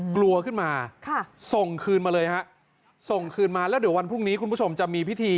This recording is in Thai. กลัวขึ้นมาส่งคืนมาเลยฮะส่งคืนมาแล้วเดี๋ยววันพรุ่งนี้คุณผู้ชมจะมีพิธี